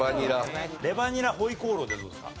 レバニラホイコーローってどうですか？